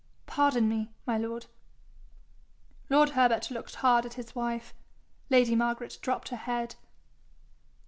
Pardon me, my lord.' Lord Herbert looked hard at his wife. Lady Margaret dropped her head.